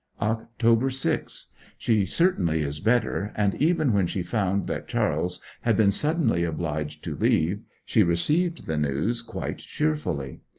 Oct. 6. She certainly is better, and even when she found that Charles had been suddenly obliged to leave, she received the news quite cheerfully.